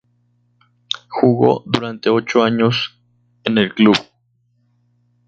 Jugó durante ocho años en el club.